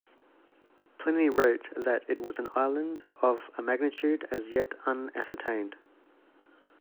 Pliny wrote that it was an island "of a magnitude as yet unascertained".